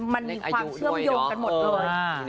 มันมีความเชื่อมโยงกันหมดเลย